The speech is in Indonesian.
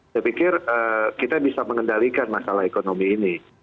saya pikir kita bisa mengendalikan masalah ekonomi ini